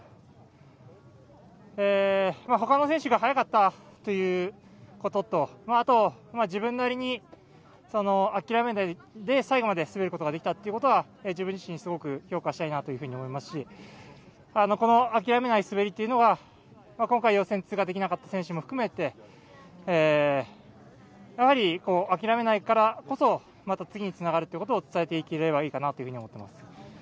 ほかの選手が速かったということとあと、自分なりに諦めないで最後まで滑ることができたということは自分自身すごく評価したいと思いますしこの諦めない滑りというのが今回、予選通過できなかった選手も含めてやはり諦めないからこそ次につながることを伝えていければいいかなと思っています。